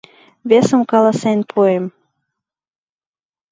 — Весым каласен пуэм.